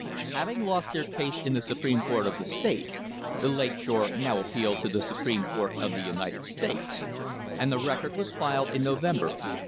* Having lost their case in the Supreme Court of the state, the Lake Shore now appealed to the Supreme Court of the United States, and the record was filed in November, 1886.